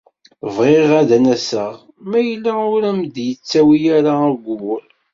Bɣiɣ ad n-aseɣ ma yella ur am-d-yettawi ara ugur.